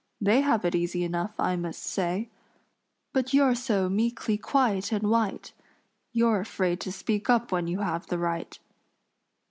They have it easy enough, I must say; But you're so meekly quiet and white, You're afraid to speak up when you have the right."